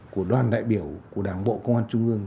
của đoàn đại biểu của đảng bộ công an trung ương